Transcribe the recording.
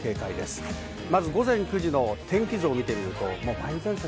午前９時の天気図を見てみます。